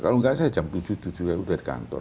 kalau enggak saya jam tujuh tujuh udah di kantor